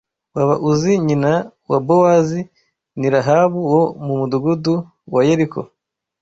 Waba uzi nyina wa Bowazi Ni Rahabu wo mu mudugudu wa Yeriko